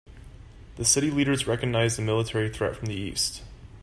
The city leaders recognized a military threat from the east.